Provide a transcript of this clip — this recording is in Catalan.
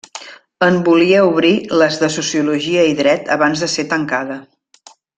En volia obrir les de Sociologia i Dret abans de ser tancada.